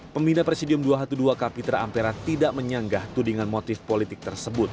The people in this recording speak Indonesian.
pembina presidium dua ratus dua belas kapitra ampera tidak menyanggah tudingan motif politik tersebut